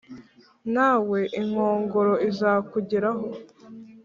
nawe inkongoro izakugeraho,